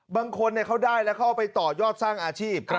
บางคนเขาได้แล้วเขาเอาไปต่อยอดสร้างอาชีพ